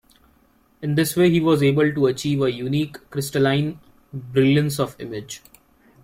In this way he was able to achieve a unique crystalline brilliance of image.